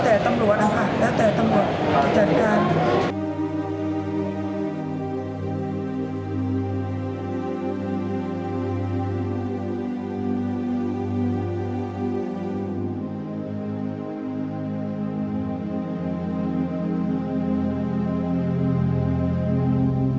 จัดการของคุณค่ะก็แหละตามรวจนะครับ